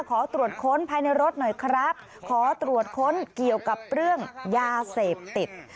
ขอตรวจค้นภายในรถหน่อยครับขอตรวจค้นเกี่ยวกับเรื่องยาเสพติด